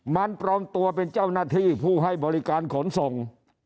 มันปลอมตัวเป็นเจ้าหน้าที่ผู้ให้บริการขนส่ง